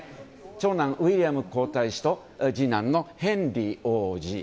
長男ウィリアム皇太子と次男のヘンリー王子。